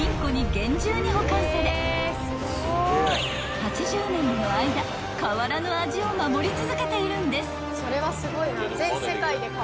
［８０年もの間変わらぬ味を守り続けているんです］